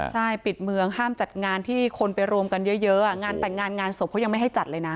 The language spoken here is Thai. ใช่ปิดเมืองห้ามจัดงานที่คนไปรวมกันเยอะงานแต่งงานงานศพเขายังไม่ให้จัดเลยนะ